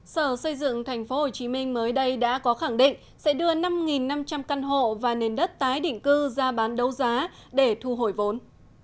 sở xây dựng tp hcm mới đây đã có khẳng định sẽ đưa năm năm trăm linh căn hộ và nền đất tái định cư ra bán đấu giá để thu hồi vốn